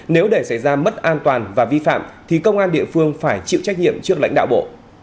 nếu để xảy ra mất an toàn và vi phạm thì công an địa phương phải chịu trách nhiệm trước lãnh đạo bộ